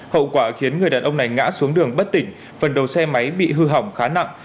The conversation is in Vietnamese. hậu quả khiến người đàn ông này ngã xuống đường bất tỉnh phần đầu xe máy bị hư hỏng khá nặng